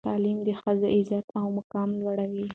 تعلیم د ښځې عزت او مقام لوړوي.